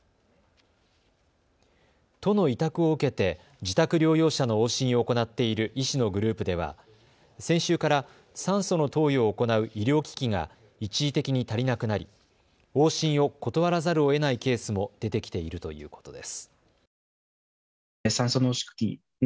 都の委託を受けて、自宅療養者の往診を行っている医師のグループでは先週から酸素の投与を行う医療機器が一時的に足りなくなり往診を断らざるをえないケースも出てきているということです。